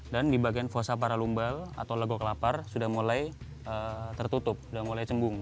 dan di bagian fosa paralumbal atau legok lapar sudah mulai tertutup sudah mulai cembung